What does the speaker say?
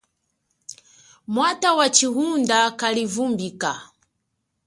Mwata wachihunda kalivumbika.